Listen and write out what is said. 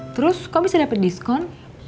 terus kamu bisa dapat diskon